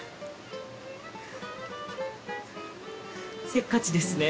せっかちですね。